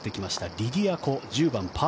リディア・コ、１０番、パー